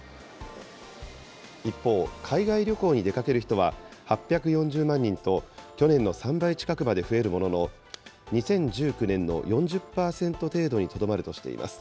一方、海外旅行に出かける人は８４０万人と、去年の３倍近くまで増えるものの、２０１９年の４０％程度にとどまるとしています。